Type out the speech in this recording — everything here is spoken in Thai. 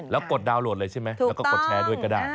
แล้วกดดาวน์โหลดเลยใช่ไหมแล้วก็กดแชร์ด้วยก็ได้